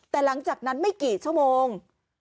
แต่หลังจากนั้นไม่กี่ชั่วโมง